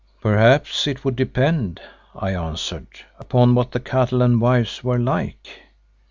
"Perhaps it would depend," I answered, "upon what the cattle and wives were like.